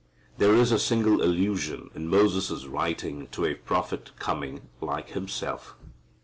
There is a single allusion in Moses' writing to a prophet coming like himself.